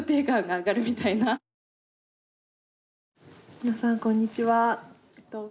皆さんこんにちは。